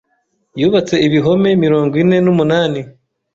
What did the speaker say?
Yubatse ibihome mirongo ine n'umunani.